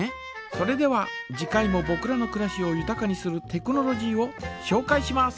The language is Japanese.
それでは次回もぼくらのくらしをゆたかにするテクノロジーをしょうかいします。